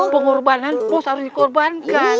pengorbanan harus dikorbankan